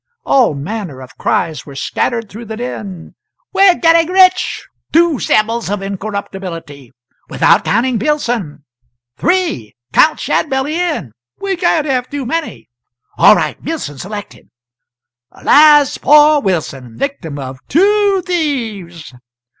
All manner of cries were scattered through the din: "We're getting rich two Symbols of Incorruptibility! without counting Billson!" "Three! count Shadbelly in we can't have too many!" "All right Billson's elected!" "Alas, poor Wilson! victim of two thieves!"